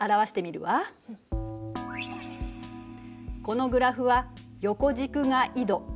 このグラフは横軸が緯度。